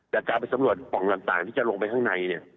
แต่การไปสำรวจของต่างที่จะลงไปข้างใน